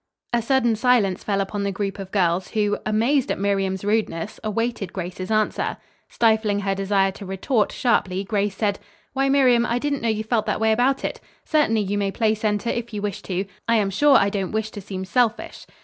A sudden silence fell upon the group of girls, who, amazed at Miriam's rudeness, awaited Grace's answer. Stifling her desire to retort sharply, Grace said? "Why Miriam, I didn't know you felt that way about it. Certainly you may play center if you wish to. I am sure I don't wish to seem selfish."